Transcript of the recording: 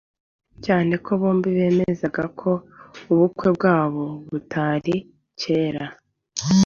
cyane ko bombi bemezaga ko ubukwe bwabo butari kera